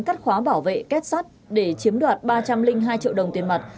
cắt khóa bảo vệ kết sắt để chiếm đoạt ba trăm linh hai triệu đồng tiền mặt